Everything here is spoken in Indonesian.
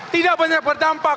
tidak banyak berdampak